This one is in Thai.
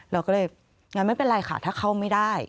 เราก็เลยงั้นไม่เป็นไรค่ะถ้าเข้าไม่ได้